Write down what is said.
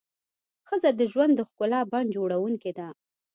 ښځه د ژوند د ښکلا بڼ جوړونکې ده.